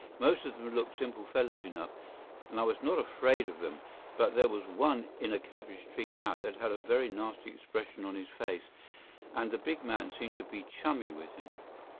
Most of them looked simple fellows enough, and I was not afraid of them; but there was one in a cabbage tree hat that had a very nasty expression on his face, and the big man seemed to be chummy with him.